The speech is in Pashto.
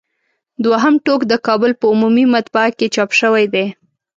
دوهم ټوک د کابل په عمومي مطبعه کې چاپ شوی دی.